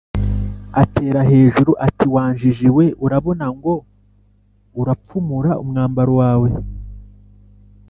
atera hejuru ati «wa njiji we, urabona ngo urapfumura umwambaro wawe?